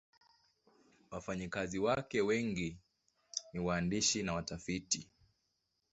Wafanyakazi wake wengi ni waandishi na watafiti.